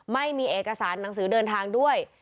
ไม่มีเอกสารหนังสือเดินทางด้วย